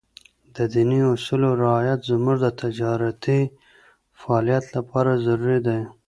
د ديني اصولو رعایت زموږ د تجارتي فعالیت لپاره ضروري دی.